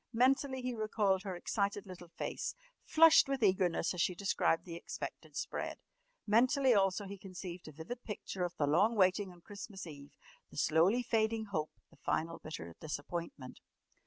Mentally he recalled her excited little face, flushed with eagerness as she described the expected spread. Mentally also he conceived a vivid picture of the long waiting on Christmas Eve, the slowly fading hope, the final bitter disappointment.